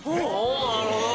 おなるほど。